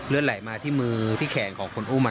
เลือดไหลมาที่มือที่แขนของคนอุ้มอะนะ